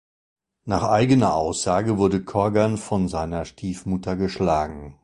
Nach eigener Aussage wurde Corgan von seiner Stiefmutter geschlagen.